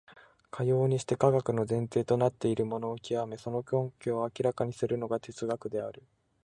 かようにして科学の前提となっているものを究め、その根拠を明らかにするのが哲学である。